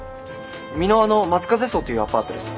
美ノ和の松風荘というアパートです。